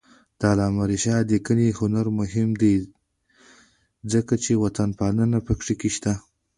د علامه رشاد لیکنی هنر مهم دی ځکه چې وطنپالنه پکې شته.